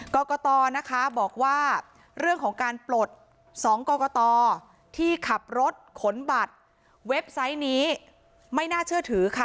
กรกตนะคะบอกว่าเรื่องของการปลด๒กรกตที่ขับรถขนบัตรเว็บไซต์นี้ไม่น่าเชื่อถือค่ะ